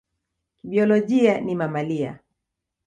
Kibiolojia ni mamalia.